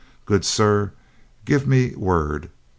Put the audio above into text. "Good sir, give me word!